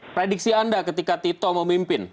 prediksi anda ketika tito memimpin